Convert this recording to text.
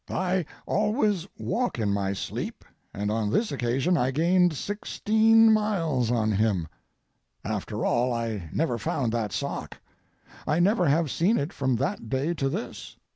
I always walk in my sleep, and on this occasion I gained sixteen miles on him. After all, I never found that sock. I never have seen it from that day to this.